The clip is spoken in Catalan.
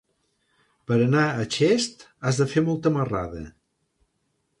Per anar a Xest has de fer molta marrada.